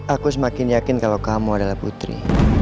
aku semakin yakin kalau kamu adalah putri